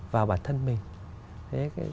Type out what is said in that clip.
vào bản thân mình